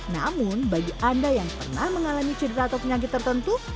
namun bagi anda yang pernah mengalami cedera atau penyakit tertentu